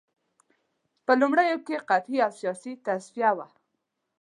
په لومړیو کې قحطي او سیاسي تصفیه وه